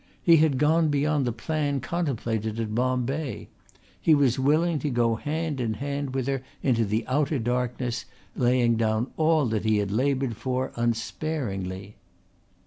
He had gone beyond the plan contemplated at Bombay. He was willing to go hand in hand with her into the outer darkness, laying down all that he had laboured for unsparingly.